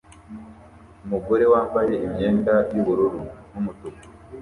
Umugore wambaye imyenda yubururu numutuku